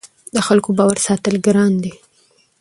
د خلکو باور ساتل ګران دي